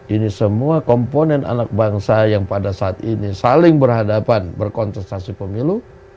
ini semua komponen anak bangsa yang pada saat ini saling berhadapan berkontestasi pemilu